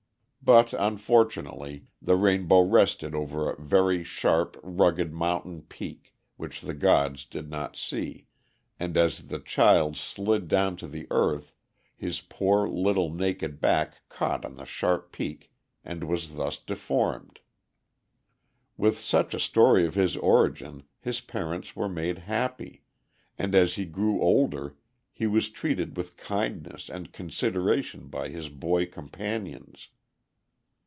But, unfortunately, the rainbow rested over a very sharp, rugged mountain peak, which the gods did not see, and, as the child slid down to the earth, his poor, little, naked back caught on the sharp peak and was thus deformed. With such a story of his origin his parents were made happy, and as he grew older, he was treated with kindness and consideration by his boy companions.